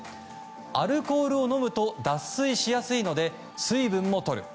アルコールを飲むと脱水しやすいので水分もとる。